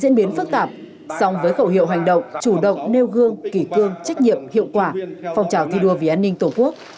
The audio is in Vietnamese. diễn biến phức tạp song với khẩu hiệu hành động chủ động nêu gương kỷ cương trách nhiệm hiệu quả phong trào thi đua vì an ninh tổ quốc